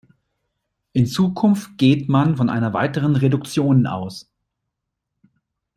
In Zukunft geht man von einer weiteren Reduktion aus.